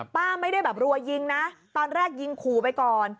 ไม่ได้แบบรัวยิงนะตอนแรกยิงขู่ไปก่อน